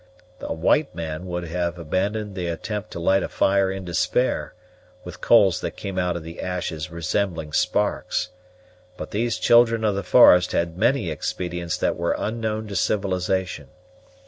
A white man would have abandoned the attempt to light a fire in despair, with coals that came out of the ashes resembling sparks; but these children of the forest had many expedients that were unknown to civilization.